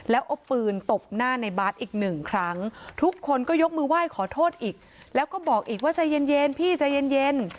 แล้วเอาปืนตบหน้าในบาสอีกหนึ่งครั้งทุกคนก็ยกมือไหว้ขอโทษอีกแล้วก็บอกอีกว่าใจเย็นพี่ใจเย็น